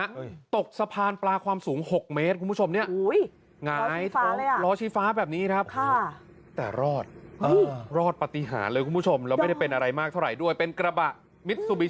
เฮ้ยตกสะพานปลาความสูงหกเมตรคุณผู้ชมเนี้ยโหย